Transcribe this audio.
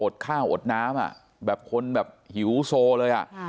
อดข้าวอดน้ำอ่ะแบบคนแบบหิวโซเลยอ่ะ